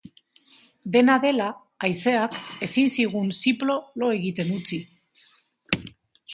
Dena dela, haizeak ezin zigun ziplo lo egiten utzi.